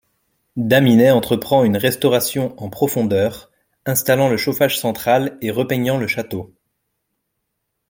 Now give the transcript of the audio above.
Daminet entreprend une restauration en profondeur, installant le chauffage central et repeignant le château.